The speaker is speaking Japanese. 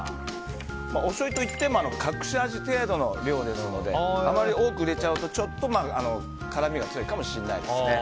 おしょうゆといっても隠し味程度の量ですのであまり多く入れちゃうと辛みが強いかもしれないですね。